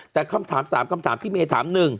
แต่คำถาม๓คำถามพี่เมย์ถาม๑